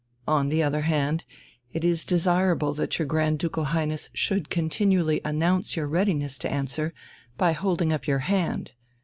On the other hand, it is desirable that your Grand Ducal Highness should continually announce your readiness to answer by holding up your hand.